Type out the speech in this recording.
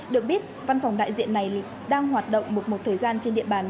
được biết văn phòng đại diện này đang hoạt động một thời gian trên địa bàn